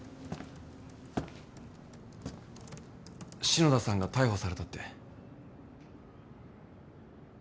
・篠田さんが逮捕されたって。